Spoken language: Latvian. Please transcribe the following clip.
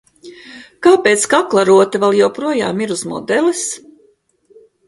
Kāpēc kaklarota vēl joprojām ir uz modeles?